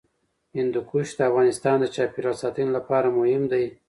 هندوکش د افغانستان د چاپیریال ساتنې لپاره مهم دي.